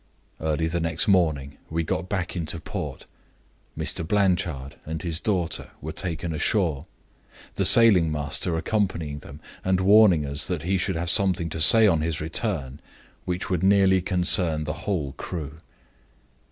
Early the next morning we got back into port. Mr. Blanchard and his daughter were taken ashore, the sailing master accompanying them, and warning us that he should have something to say on his return which would nearly concern the whole crew.